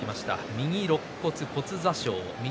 右ろっ骨骨挫傷です。